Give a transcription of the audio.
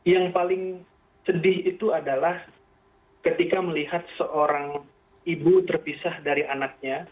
yang paling sedih itu adalah ketika melihat seorang ibu terpisah dari anaknya